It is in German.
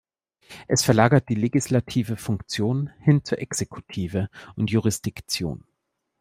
Es verlagert die legislative Funktion hin zur Exekutive und zur Jurisdiktion.